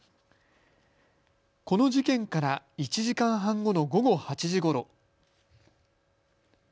この事件から１時間半後の午後８時ごろ。